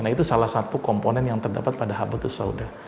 nah itu salah satu komponen yang terdapat pada habatus sauda